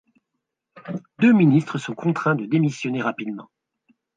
Deux ministres sont contraints de démissionner rapidement.